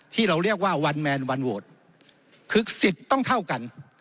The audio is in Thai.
ที่เราเรียกว่าวันแมนวันโหวตคือสิทธิ์ต้องเท่ากัน